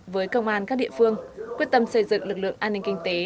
với công an các địa phương quyết tâm xây dựng lực lượng an ninh kinh tế